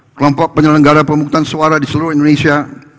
kelompok penyelenggara pemungutan suara di seluruh indonesia